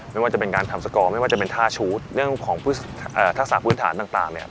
ไม่ว่าจะเป็นการทำสกอร์ไม่ว่าจะเป็นท่าชูตเรื่องของทักษะพื้นฐานต่างเนี่ย